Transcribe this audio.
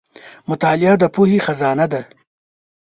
• مطالعه د پوهې خزانه ده.